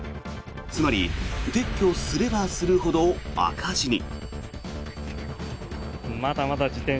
つまり、撤去すればするほど赤字に。